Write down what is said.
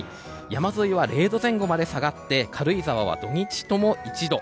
山沿いは０度前後まで下がって軽井沢は土日とも１度。